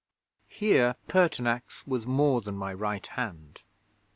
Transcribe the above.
Here Pertinax was more than my right hand.